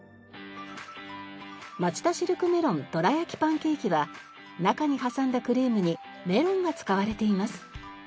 まちだシルクメロンどら焼きパンケーキは中に挟んだクリームにメロンが使われています。